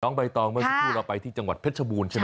น้องใบตองเมื่อชั่วโคลนเราไปที่จังหวัดเพชรบูรณ์ใช่ไหม